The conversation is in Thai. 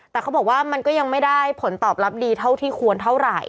แต่เขาบอกว่ามันก็ยังไม่ได้ผลตอบรับดีเท่าที่ควรเท่าไหร่